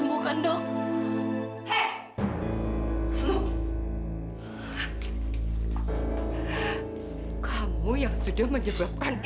gak usah bawa yang ngejepetan